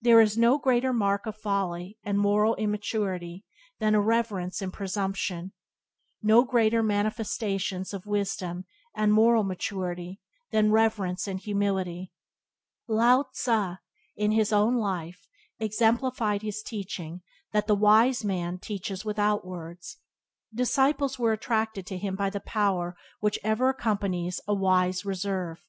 There are no greater marks of folly and moral immaturity than irreverence and presumption; no greater manifestations of wisdom and moral maturity than reverence and humility. Lao Tze, in his own life, exemplified his teaching that the wise man "teaches without words." Disciples were attracted to him by the power which ever accompanies a wise reserve.